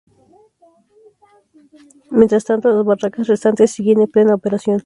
Mientras tanto, las "barracas" restantes siguen en plena operación.